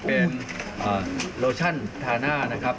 เป็นโลชั่นทาหน้านะครับ